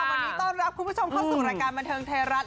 วันนี้ต้อนรับคุณผู้ชมเข้าสู่รายการบันเทิงไทยรัฐ